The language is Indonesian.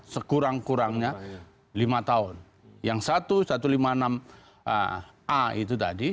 sekurang kurangnya lima tahun yang satu satu ratus lima puluh enam a itu tadi